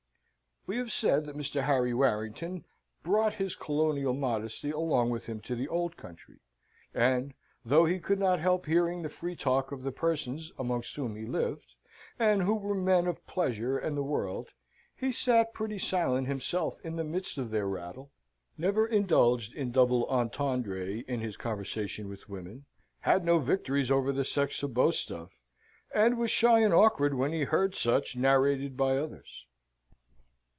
We have said that Mr. Harry Warrington brought his colonial modesty along with him to the old country; and though he could not help hearing the free talk of the persons amongst whom he lived, and who were men of pleasure and the world, he sat pretty silent himself in the midst of their rattle; never indulged in double entendre in his conversation with women; had no victories over the sex to boast of; and was shy and awkward when he heard such narrated by others.